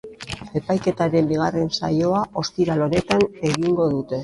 Epaiketaren bigarren saioa ostiral honetan egingo dute.